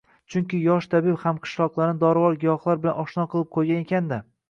Chunki yosh tabib hamqishloqlarini dorivor giyohlar bilan oshno qilib qo‘ygan ekan-da